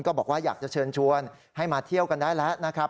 บอกว่าอยากจะเชิญชวนให้มาเที่ยวกันได้แล้วนะครับ